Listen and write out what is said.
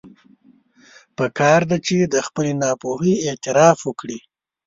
پکار ده چې د خپلې ناپوهي اعتراف وکړي.